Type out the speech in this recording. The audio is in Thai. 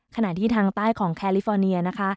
ขณะที่ทางใต้ของแคลิฟอร์เนียนะคะ